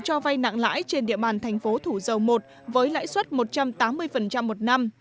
cho vay nặng lãi trên địa bàn thành phố thủ dầu i với lãi suất một trăm tám mươi một năm